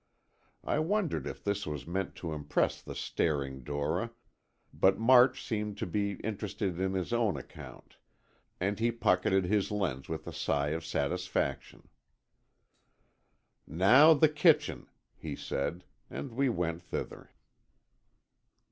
I wondered if this was meant to impress the staring Dora, but March seemed to be interested on his own account, and he pocketed his lens with a sigh of satisfaction. "Now the kitchen," he said, and we went thither.